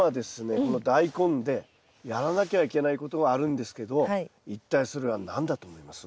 このダイコンでやらなきゃいけないことがあるんですけど一体それは何だと思います？